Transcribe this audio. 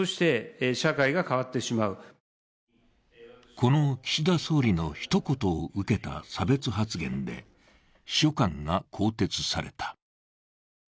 この岸田総理のひと言を受けた差別発言で、秘書官が更迭された。